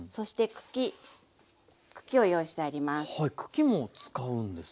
茎を用意してあります。